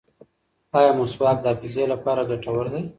ایا مسواک د حافظې لپاره ګټور دی؟